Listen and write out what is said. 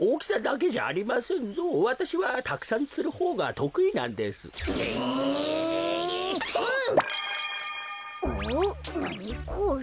おなにこれ？